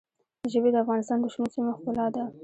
ژبې د افغانستان د شنو سیمو ښکلا ده.